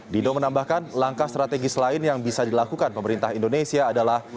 dino menambahkan langkah strategis lain yang bisa dilakukan pemerintah indonesia adalah